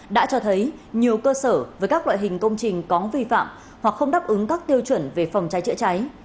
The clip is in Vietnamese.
đã cho thấy nhiều cơ sở với các loại hình công trình có vi phạm hoặc không đáp ứng các tiêu chuẩn về phòng cháy chữa cháy